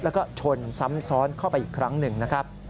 แล้วก็ชนซ้ำซ้อนเข้าไปอีกครั้งหนึ่งนะครับ